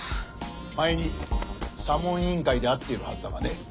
前に査問委員会で会っているはずだがね。